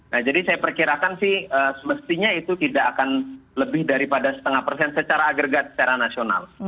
nah jadi saya perkirakan sih semestinya itu tidak akan lebih daripada setengah persen secara agregat secara nasional